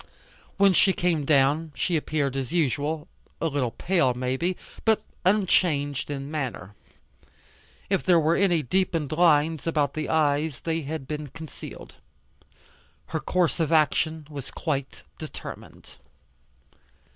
When she came down she appeared as usual, a little pale may be, but unchanged in manner. If there were any deepened lines about the eyes they had been concealed. Her course of action was quite determined.